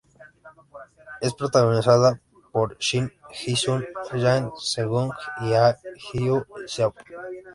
Es protagonizada por Shin Hye-sun, Yang Se-jong y Ahn Hyo-seop.